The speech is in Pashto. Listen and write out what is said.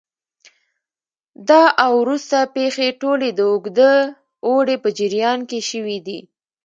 دا او وروسته پېښې ټولې د اوږده اوړي په جریان کې شوې دي